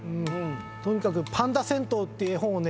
とにかく『パンダ銭湯』っていう絵本をね